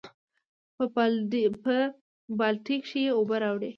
پۀ بالټي کښې ئې اوبۀ راوړې ـ